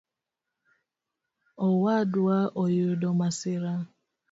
Owadwa oyudo masira